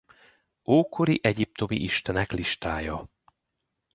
Ókori egyiptomi istenek listája